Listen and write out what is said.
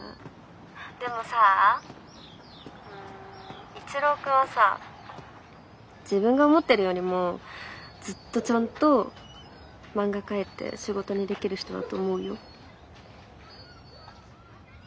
でもさあうん一郎君はさ自分が思ってるよりもずっとちゃんと漫画描いて仕事にできる人だと思うよ。